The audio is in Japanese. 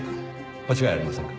間違いありませんか？